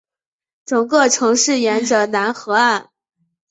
整个城市沿着楠河岸。